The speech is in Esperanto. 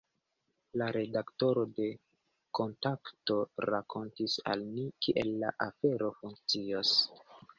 La redaktoro de Kontakto, rakontis al ni, kiel la afero funkcios.